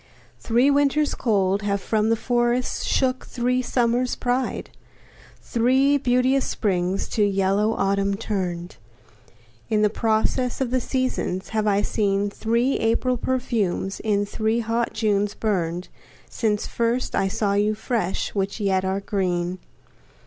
Three Winters cold Have from the forests shook three Summers' pride; Three beauteous springs to yellow Autumn turn'd In process of the seasons have I seen, Three April perfumes in three hot Junes burn'd, Since first I saw you fresh, which yet are green.